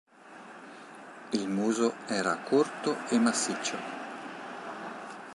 Il muso era corto e massiccio.